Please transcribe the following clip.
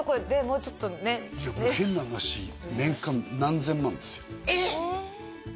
もうちょっとね変な話年間何千万ですよえっ！？